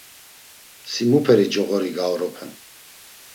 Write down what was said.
Si muperi coğori gaoropen?